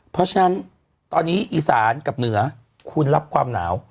เพราะฉะนั้นตอนนี้อีสานกับเหนือคุณรับความหนาว